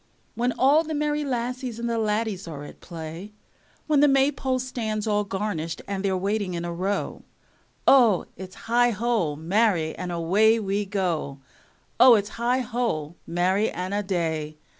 When all the merry lassies and the laddies are at play, When the maypole stands all garnished and they're waiting in a row, O, its heigho, marry, and away we go. O, its heigho, marry, and a day!